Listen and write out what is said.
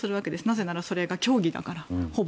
なぜならそれがほぼ教義だから。